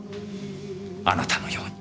あなたのように。